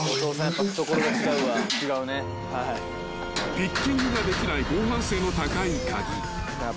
［ピッキングができない防犯性の高い鍵］